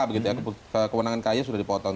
begitu ya kewenangan kay sudah dipotong